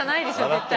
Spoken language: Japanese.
絶対。